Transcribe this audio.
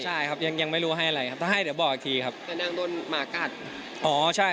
ใช่ครับยังไม่รู้ให้อะไรถ้าให้เดี๋ยวบอกอีกที